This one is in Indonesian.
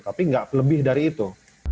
tapi nggak lebih dari itu